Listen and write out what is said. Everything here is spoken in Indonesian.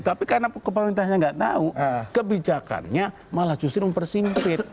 tapi karena pemerintahnya nggak tahu kebijakannya malah justru mempersimpit